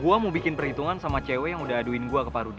gue mau bikin perhitungan sama cewe yang udah aduin gue ke pak rudi